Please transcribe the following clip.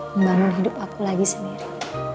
membangun hidup aku lagi sendiri